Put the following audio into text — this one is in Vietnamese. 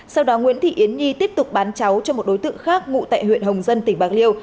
sau đó nguyễn thị yến nhi tiếp tục bán cháu cho một đối tượng khác ngụ tại huyện hồng dân tỉnh bạc liêu